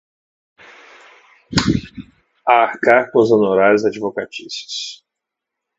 a arcar com os honorários advocatícios